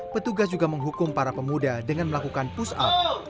petugas juga menghukum para pemuda dengan melakukan push up